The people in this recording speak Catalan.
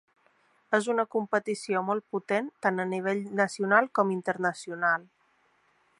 És una competició molt potent tant a nivell nacional com internacional.